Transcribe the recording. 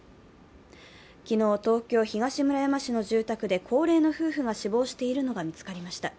昨日、東京・東村山市の住宅で高齢の夫婦が死亡しているのが見つかりました。